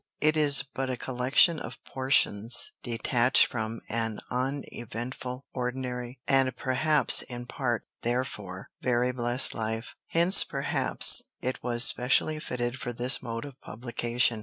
It is but a collection of portions detached from an uneventful, ordinary, and perhaps in part therefore very blessed life. Hence, perhaps, it was specially fitted for this mode of publication.